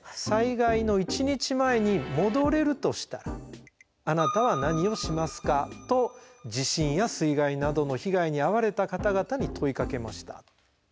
「『災害の一日前に戻れるとしたらあなたは何をしますか』と地震や水害などの被害に遭われた方々に問いかけました」。